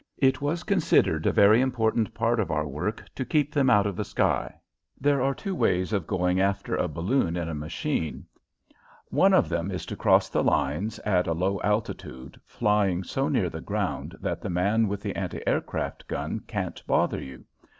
It was considered a very important part of our work to keep them out of the sky. There are two ways of going after a balloon in a machine. One of them is to cross the lines at a low altitude, flying so near the ground that the man with the anti aircraft gun can't bother you.